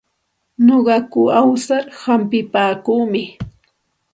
Nuqaku awsar humpipaakuumi.